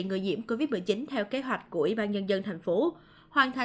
người diễm covid một mươi chín theo kế hoạch của ủy ban nhân dân thành phố